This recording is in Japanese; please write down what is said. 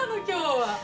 今日は。